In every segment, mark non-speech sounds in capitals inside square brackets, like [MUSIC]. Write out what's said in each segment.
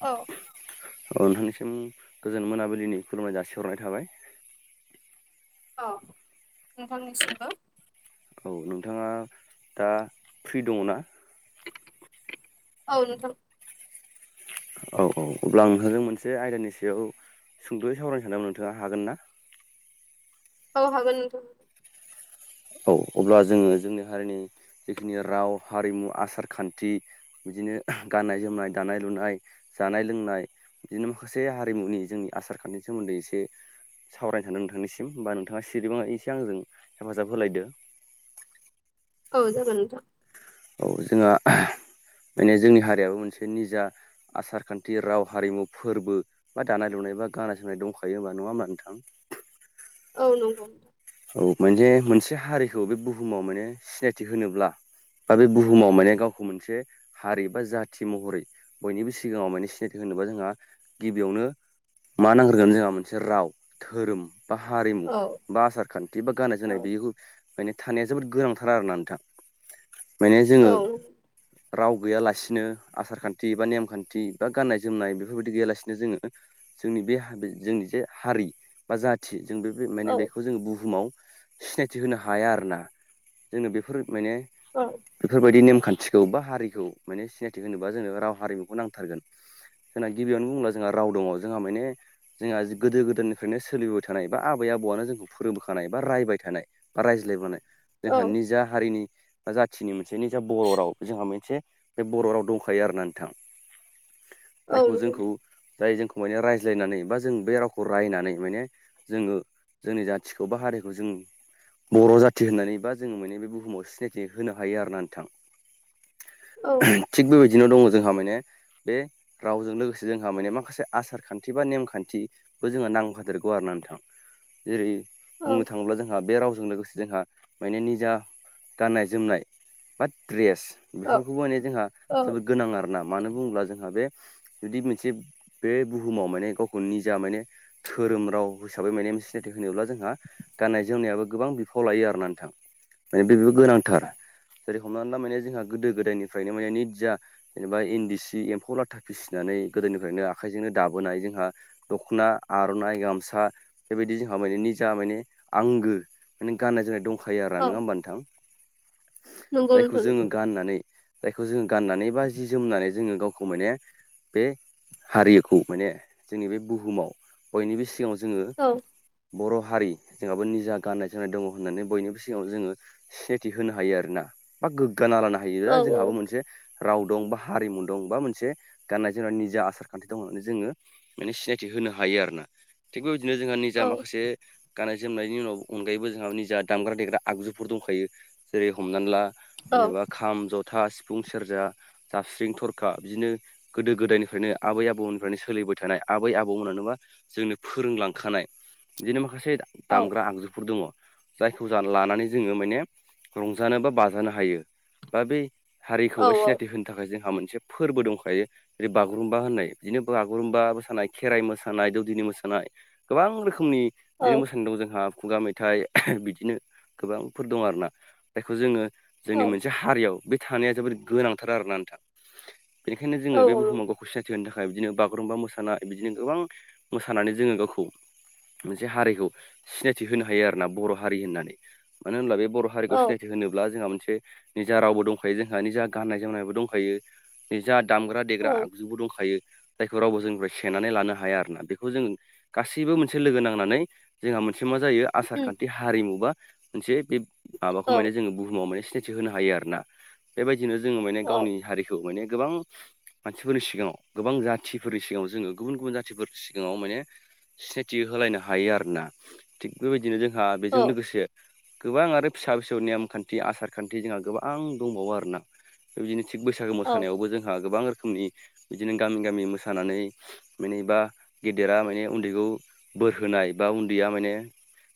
औ औ नोंथांनिसिम गोजोन मोनाबिलिनि खुलुमनाय जासिहरनाय थाबाय औ नोंथांनिसिमबो औ नोंथाङा दा फ्रि दङ' ना? [INAUDIBLE] औ नोंथां औ औ अब्ला आं नोंथांजों मोनसे आयदानि सायाव सुंद'यै सावरायनो सानदोंमोन नोंथाङा हागोन ना? औ हागोन नोंथां औ अब्ला जोङो जोंनि हारिनि जिखिनि राव हारिमु आसार-खान्थि बिदिनो गाननाय-जोमनाय, दानाय-लुनाय, जानाय-लोंनाय बिदिनो माखासे हारिमुनि जोंनि आसार-खानथिनि सोमोन्दै एसे सावरायनो सानदों नोंथांनिसिम बा नोंथाङा सिरिबाङा एसे आंजों हेफाजाब होलायदो औ जागोन नोंथां। औ जोंहा माने जोंनि हारियाबो मोनसे निजा आसार खान्थि राव हारिमु फोरबो बा दानाय लुनाय बा गानाय जोमनाय दंखायो होमबा नङा होमबा नोंथां औ नंगौ औ माने मोनसे हारिखौ बे बुहुमाव माने सिनायथि होनोब्ला बा बे बुहुमाव माने गावखौ मोनसे हारि बा जाथि महरै बयनिबो सिगाङाव माने सिनायथि होनोबा जोंहा गिबियावनो मा नांग्रोगोन जोंहा मोनसे राव धोरोम बा हारिमु औ बा आसार खान्थि बा गाननाय औ जोमनाय बेखौ माने थानाया जोबोद गोनांथारा आरोना नोंथां माने औ जोङो राव गैयालासिनो आसार खान्थि बा नेमखान्थि बा गाननाय जोमनाय बेफोरबायदि गैयालासिनो जोङो जोंनि बे जोंनि जे हारि बा जाथि जों बे माने बेखौ जोंङो बु बुहुमाव सिनायथि होनो हाया आरोना जोंनो बेफोर माने उम बेफोरबायदि नेमखान्थिखौ बा हारिखौ माने सिनायथि होनोबा जोङो राव हारिमुखौ नांथारगोन जोंना गिबियावनो बुंब्ला जोंहा राव दङ जोंहा माने जोंहा गोदो गोदायनिफ्रायनो सोलिबोबाय थानाय बा आबै आबौआनो जोंखौ फो फोरोंबोखानाय बा रायबाय थानाय बा रायज्लायबोनाय जोंहा औ निजा हारिनि बा जाथिनि मोनसे निजा बर' राव जोंहा मोनसे बे बर' राव दंखायो आरो ना नोंथां जायखौ जोंखौ जाय जोंखौ माने रायज्लायनानै बा जों बे रावखौ रायनानै माने जोङो जोंनि जा सोरबा हारिखौ जों बर' जाथि होननानै बा जोङो माने बे बुहुमाव सिनायथि होनो हायो आरोना नोंथां औ थिग बेबायदिनो दङ जोंहा माने बे रावजों लोगोसे जोंहा माने माखासे आसार खान्थि बा नेमखान्थिबो जोङो नांफादेरगौ आरो नोंथां जेरै बुंनो थाङोब्ला जोंहा बे रावजों लोगोसे जोंहा माने निजा गाननाय जोमनाय बा द्रेस औ बेफोरखौबो माने जोंहा औ जोबोद गोनां आरोना मानो बुङोब्ला जोंहा बे जुदि मोनसे बे बुहुमाव माने गावखौ निजा माने धोरोम राव हिसाबै माने मोनसे सिनायथि होनोब्ला जोंहा गाननाय जोमनायाबो गोबां बिफाव लायो आरोना नोंथां माने बेबो गोनांथार जेरै हमनानै ला माने जोंहा गोदो गोदायनिफ्रायनो माने निदजा जेनेबा इन्दि सि एम्फौ लाथा फिसिनानै गोदोनिफ्रायनो आखाइजोंनो दाबोनाय जोंहा दख'ना आर'नाइ गामसा बेबायदि जोंहा माने निजा जा माने आंगो माने गाननाय जोमनाय दंखायो आरो नङा ओमबा नोंथां नंगौ जायखौ नोंथां जोङो गाननानै जायखौ जोङो गाननानै बा जि जोमनानै जोङो गावखौ माने बे हारिखौ माने जोंनि बे बुहुमाव बयनिबो सिगाङाव जोङो औ बर' हारि जोंहाबो निजा गाननाय जोमनाय दङ होननानै बयनिबो सिगाङाव जोङो सिनायथि होनो हायो आरोना बा गोग्गाना लानो औ नंगौ नोंथां हायो नंगौ जोंहाबो मोनसे राव दं बा हारिमु दं बा मोनसे गाननाय जोमनाय निजा आसार खान्थि दं होननानै जोङो माने सिनायथि होनो हायो आरोना थिग बेबायदिनो जोंहा निजा औ माखासे गाननाय जोमनायनि उनाव अनगायैबो जोंहा निजा दामग्रा देग्रा आगजुफोर दंखायो जेरै हमनानै ला जेनेबा खाम जथा सिफुं सेर्जा जाबस्रिं थरखा बिदिनो गोदो गोदायनिफ्रायनो आबै आबौमोननिफ्रायनो सोलिबाय थानाय आबै आबौ मोना नो मा जोंनो फोरोंलांखानाय बिदिनो माखासे औ दामग्रा आगजुफोर दङ जायखौ लानानै जोङो माने रंजानो बा बाजानो हायो बा बे औ हारिखौबो सिनायथि होनो थाखाय जोंहा मोनसे फोरबो दंखायो। बे बागुरुम्बा होननाय बिदिनो बागुरुम्बा मोसानाय खेराइ मोसानाय दौदिनि मोसानाय गोबां रोखोमनि औ बिदिनो मोसानाय दं जोंहा खुगा मेथाइ बिदिनो गोबांफोर दं आरोना जायखौ जोङो औ जोंनि मोनसे हारियाव बे थानाया जोबोर गोनांथार आरोना नोंथां बेनिखायनो औ जोङो बे बुहुमाव गावखौ सिनायथि होनो थाखाय थाखाय बिदिनो बागुरुम्बा मोसानाय बिदिनो गोबां मोसानानै जोङो गावखौ मोनसे हारिखौ सिनायथि होनो हायो आरोना बर'हारि होननानै मानो होनब्ला बे बर' औ हारिखौ औ सिनायथि होनोब्ला जोंहा मोनसे निजा रावबो दंखायो जोंहा निजा गाननाय जोमनायबो दंखायो निजा दामग्रा देग्रा आगजुबो दंखायो जायखौ रावबो जोंनिफ्राय सेनानै लानो हाया आरोना बेखौ जों गासैबो मोनसे लोगो नांनानै जोंहा मोनसे मा जायो उम आसारखान्थि हारिमु बा मोनसे बे औ माबाखौ माने जोङो बुहुमाव माने सिनाय थि होनो हायो आरोना बेबायदिनो जोङो माने औ औ गावनि हारिखौ माने गोबां मानसिफोरनि सिगाङाव गोबां जाथिफोरनि सिगाङाव जोङो गुबुन गुबुन जाथिफोरनि सिगाङाव माने सिनाय थि होलायनो हायो आरोना थिग बेबायदिनो जोंहा बेजों औ लोगोसे गोबां आरो फिसा फिसौ नेम खान्थि आसार खान्थि जोंहा गोबां दंबावो आरोना बिदिनो थिग बैसागो मोसानायावबो जोंहा गोबां रोखोमनि बिदिनो गामि गामि मोसानानै माने बा गेदेरा माने उन्दैखौ बोर होनाय बा उन्दैया माने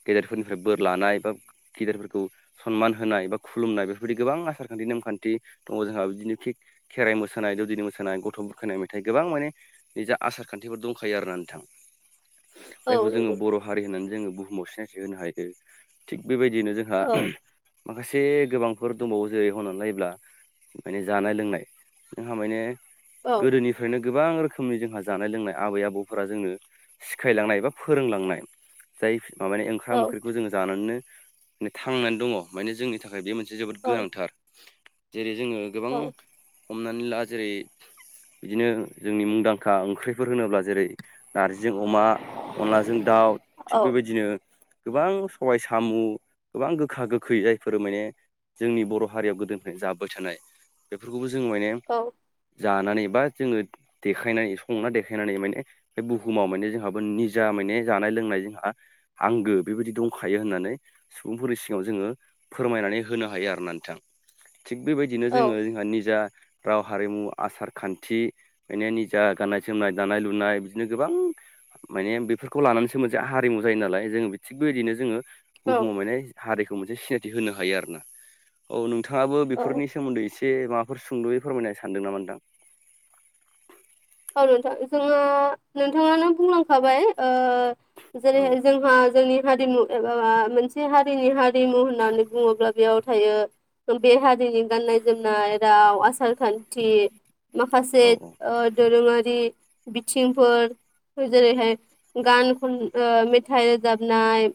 गेदेरफोरनिफ्राय बोर लानाय बा गेदेरफोरखौ सनमान होनाय बा खुलुमनाय बेफोरबायदि गोबां आसारखान्थि नेमखान्थि दङ जोंहा बिदिनो थिग खेराइ मोसानाय दौदिनि मोसानाय गथ' बुरखायनाय मेथाइ गोबां माने निजा आसार खान्थिफोर दंखायो आरोना नोंथां औ जायखौ जोङो नंगौ बर' नोंथां हारि होननानै जोङो बुहुमाव सिनायथि होनो हायो थिग बेबायदिनो जोंहा माखासे गोबांफोर दंबावो जेरै हनानै नायोब्ला माने जानाय लोंनाय जोंहा माने औ गोदोनिफ्रायनो गोबां रोखोमनि जोंहा जानाय लोंनाय आबै आबौफोरा जोंनो सिखायलांनाय एबा फोरोंलांनाय जाय माबे ओंखाम औ ओंख्रिखौ जों जानानैनो थांनानै दङ माने जोंनि थाखाय बे मोनसे जोबोद औ गोनांथार जेरै जोङो गोबां हमनानै ला जेरै बिदिनो जोंनि मुंदांखा ओंख्रिफोर होनोब्ला जेरै जों अमा अनलाजों दाउ थिग बेबायदिनो गोबां सबाय साम' गोबां गोखा गोखै जायफोर माने जोंनि बर' हारियाव गोदोनिफ्रायनो जाबोबाय थानाय बेफोरखौबो जों माने औ जानानै बा जोङो देखायनानै संना देखायनानै माने बे बुहुमाव माने जोंहाबो निजा माने जानाय लोंनाय जोंहा आंगो बेबायदि दंखायो होननानै सुबुंफोरनि सिगाङाव जोङो फोरमायनानै होनो हायो आर ना नोंथां थिग बेबायदिनो जोङो जोंहा निजा राव हारिमु आसार खान्थि माने निजा गाननाय जोमनाय दानाय लुनाय बिदिनो गोबां माने बेफोरखौ लानानैसो मोनसे हारिमु जायो नालाय जोङो थिग बेदिनो जोङो औ बुहुमाव माने हारिखौ मोनसे सिनायथि होनो हायो आरो ना औ नोंथाङाबो औ औ बेफोरनि सोमोनदै एसे माबाफोर सुंद'यै फोरमायनो सानदों नामा नोंथां औ नोंथां जोङो नोंथाङानो बुंलांखाबाय ओ औ जेरैहाय जों जोंनि हारिमु एबा मोनसे हारिनि हारिमु होननानै बुङोब्ला बेयाव थायो बे हारिनि गाननाय जोमनाय राव आसार खानथि माखासे औ औ दोरोङारि बिथिंफोर जेरैहाय गान खन मेथाइ रोजाबनाय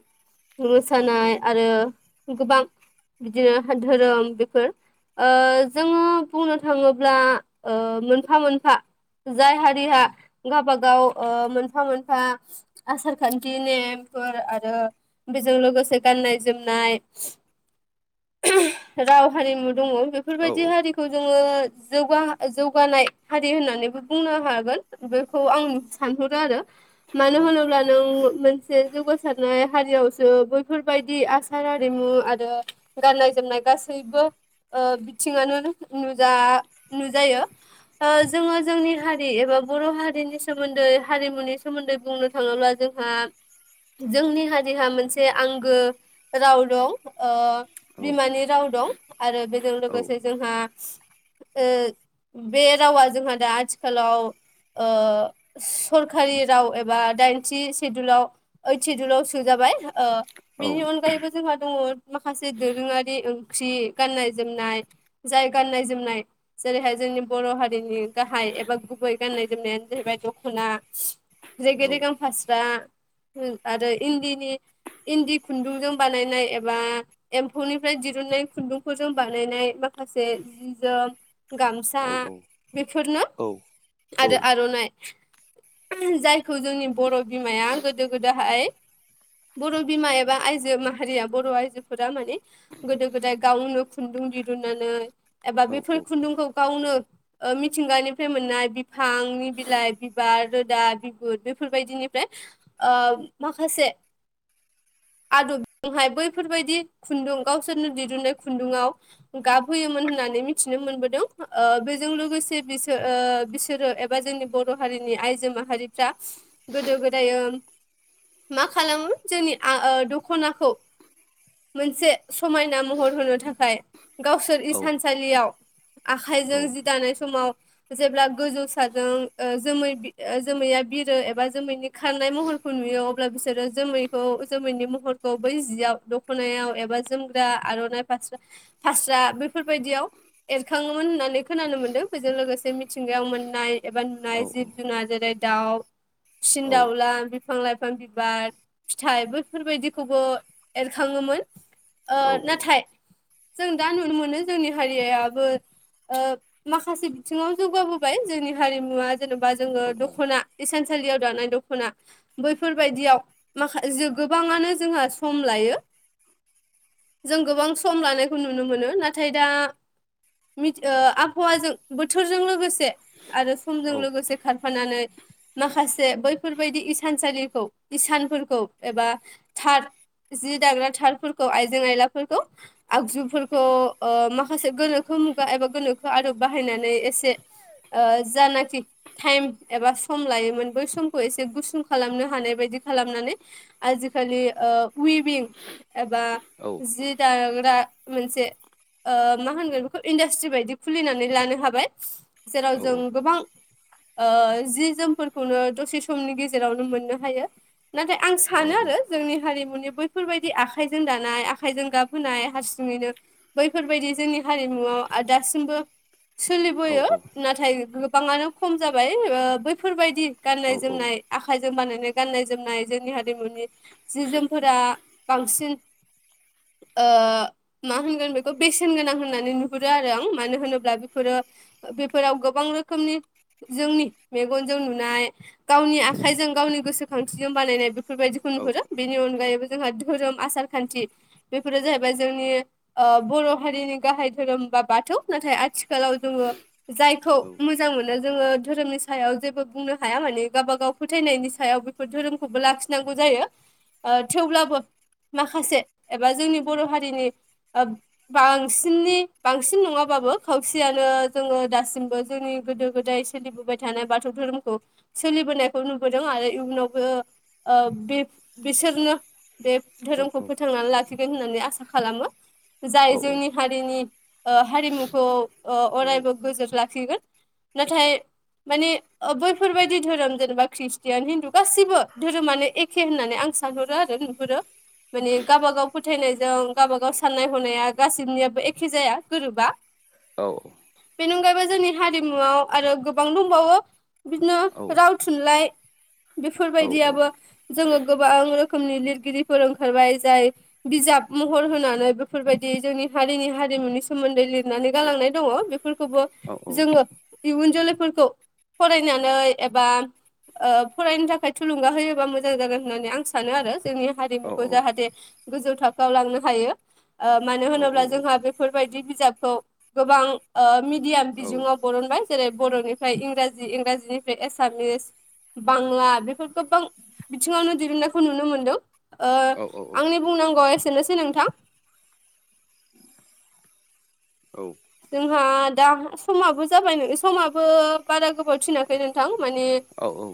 औ मोसानाय आरो गोबां बिदिनो धोरोम बेफोर ओ जोङो बुंनो थाङोब्ला ओ मोनफा मोनफा जाय हारिया गावबा गाव ओ मोनफा मोनफा आसार खानथि नेमफोर आरो बेजों लोगोसे गाननाय जोमनाय राव हारिमु दङ औ बेफोरबायदि हारि खौ जोङो जौ जौगानाय हारि होननानैबो बुंनो हागोन बेखौ आं सानहरो आरो मानो होनोब्ला नों मोनसे जौगासारनाय हारियावसो बैफोरबायदि आसार आरिमु आरो गाननाय जोमनाय गासैबो ओ बिथिङानो नुजा नुजायो ओज जोङो जोंनि हारि एबा बर' हारिनि सोमोन्दै हारिमुनि सोमोन्दै बुंनो थाङोब्ला जोंहा जोंनि हारिहा मोनसे आंगो राव दं ओ औ बिमानि राव दं आरो बेजों औ लोगोसे जोंहा ओ बे रावा जोंहा दा आथिखालाव ओ सरखारि राव एबा दाइनथि सिदुलाव ओइड सिदुलाव सोजाबाय। ओ औ बिनि अनगायैबो जोंहा दङ माखासे दोरोङारि ओंख्रि गाननाय जोमनाय जाय गाननाय जोमनाय जेरैहाय जोंनि बर' हारिनि गाहाय एबा गुबै गाननाय जोमनायानो जाहैबाय दखना। रेगे औ रेगां फास्रा। उम आरो इन्दिनि इन्दि खुन्दुंजों बानायनाय एबा एम्फौनिफ्राय दिरुनन्नाय खुन्दुंफोरजों बानायनाय माखासे जि जोम गामसा औ बेफोरनो आरो आर'नाइ। जायखौ जोंनि बर' बिमाया गोदो गोदाहाय बर' बिमा एबा आइजो माहारिया बर' आइजोफोरा माने गोदो गोदाय गावनो खुन्दुं दिरुननानै एबा बेफोर खुन्दुंखौ गावनो ओ मिथिंगानिफ्राय मोननाय बिफांनि बिलाइ बिबार रोदा बिगुर बिफोर बायदिनिफ्राय ओ माखासे आदबजोंहाय बैफोरबायदि खुन्दुं गावसोरनो दिरुननाय खुन्दुङाव गाबहोयोमोन होननानै मिथिनो मोनबोदों। ओ बिजों लोगोसे बिसो ओ बिसोरो एब बा जोंनि बर' हारिनि आइजो माहारिफ्रा गोदो गोदायो मा खालामो जोंनि आ ओ दख'नाखौ मोनसे समायना महर होनो थाखाय गावसोर इसानसालियाव आखाइजों जि दानाय समाव जेब्ला गोजौ साजों ओ जोमै बि ओ जोमैया बिरो एबा जोमैनि खारनाय महरखौ नुयो अब्ला बिसोरो जैखौ जोमैनि महरखौ बै जियाव द खनायाव एबा जोमग्रा आर'नाइ फास्रा फास्रा बेफोरबायदियाव एरखाङोमोन होननानै खोनानो मोनदों बेजों लोगोसे मिथिंगायाव मोननाय एबा नुनाय जिब जुनार जेरै दाउ सिन दाउला बिफां लाइफां बिबार फिथाइ बैफोरबायदिखौबो खाङोमोन ओ नाथाय जों दा नुनो मोनो जोंनि हारिया याबो ओ माखासे बिथिङाव जौगाबोबाय जोंनि हारिमुवा जेन'बा जोङो दख'ना इसालियाव दानाय दख'ना बैफोरबायदियाव माखा जो गोबाङानो जोंहा सम लायो। जों गोबां सम लानायखौ नुनो मोनो। नाथाय दा मिथ ओ आबहावाजों बोथोरजों लोगोसे आरो समजों औ लोगोसे खारफानानै माखासे बैफोरबायदि इसानसालिखौ इसानफोरखौ एबा थाद जि दाग्रा थारफोरखौ आइजें आयलाफोरखौ आगजुफोरखौ ओ माखासे गोनोखो मुगा एबा गोनोखो आरोव बाहायनानै एसे ओ जानाखि टाइम एबा सम लायोमोन बै समखौ एसे गुसुं खालामनो हानाय बायदि खालामनानै आजिखालि ओ उइभं एबा औ जि दाग्रा मोनसे ओ मा होनगोन बेखौ इन्डास्ट्रि बायदि खुलिनानै लानो हाबाय। औ जेराव औ जों गोबां ओ जि जोमफोरखौनो दसे समनि गेजेरावनो मोननो हायो। नाथाय आं औ सानो आरो जोंनि हारिमुनि बै फोरबायदि आखाइजों दानाय आखाइजों गाबहोनाय हारसिङैनो बैफोरबायदि जोंनि हारिमुआव दासिमबो सोलिबोयो औ नाथाय गोबाङानो खम जाबाय बैफोरबायदि औ गाननाय जोमनाय आखाइजों बानायनाय गाननाय जोमनाय जोंनि हारिमुनि जि जोमफोरा बांसिन ओ मा होनगोन बेखौ बेसेन गोनां होननानै नुहुरो आरो आं मानो होनोब्ला बेफोरो बेफोराव गोबां रोखोमनि जोंनि मेगनजों नुनाय। गावनि आखाइजों गावनि गोसोखांथिजों बानायनाय बेफोरबायदिखौ औ नुहुरो बेनि अनगायैबो जोंहा धोरोम आसार खान्थि बेफोरो जाहैबाय जोंनि ओ बर' हारिनि गाहाय धोरोम होमबा बाथौ नाथाय आथिखालाव जोङो जायखौ मोजां मोनो जोङो धोरोमनि सायाव जेबो बुंनो हाया माने गावबाागाव फोथायनायनि सायाव बे धोरोमखौबो लाखिनांगौ जायो। ओ थेवब्लाबो माखासे एबा जोंनि बर' हारिनि ओ बांसिननि बांसिन नङाबाबो खावसेयानो जोङो दासिमबो जोंनि गोदो गोदाय। सोलिबोबाय थानाय बाथौ धोरोमखौ सोलिबोनायखौ नुबोदों आरो इयुनावबो ओ बे बिसोरनो बे धोरोमखौ फोथांनानै लाखिगोन होननानै आसा खालामो जाय जोंनि हारिनि हारिमुखौ अरायबो गोजोर लाखिगोन नाथाय माने बैफोरबायाददि धोरोम जेनेबा ख्रिस्टियान हिन्दु गासिबो धोरोमानो एखे एखे होननानै आं सानहरो आरो नुहुरो माने गावबाागाव फोथायनायजों गावबाागाव साननाय हनाया गासिनियाबो एखे जाया गोरोबा औ औ। बेनि अनगायैबो जोंनि हारिमुआव आरो गोबां दंबावो। बिदिनो राव थुनलाइ बेफोरबायदियाबो जोंङो गोबां रोखोम रोखोमनि लिरगिरिफोर ओंखारबाय जाय बिजाब महर होनानै बेफोरबायदि जोंनि हारिनि हारिमुनि सोमोन्दै लिरनानै गालांनाय दंङो बे फोरखौबो जोंङो इयुन जोलैफोरखौ फरायनानै एबा फरायनो थाखाय थुलुंगा होयोबा मोजां जागोन होननानै आं सा सानो आरो जोंनि हारिमुखौ जाहाथे गोजौ थाखोआव लांनो हायो। ओ मानो होनोब्ला जोंहा बेफोरबायदि बिजाबखौ गोबां मिडियाम बिजोंङाव बरनबाय जेरै बर'निफ्राय इंराजि इंराजिनि एसामिस बांला बेफोर गोबां बिथिंङावनो दिहुननो खौ नुनो मोनदों आंनि बुंनांगौआ एसेनोसै नोंथां। जोंहा दा समाबो जाबाय नोंङो समाबो बारा गोबाव थि नोंथां माने औ औ